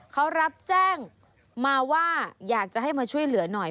เขารับแจ้งมาว่าอยากจะให้มาช่วยเหลือหน่อย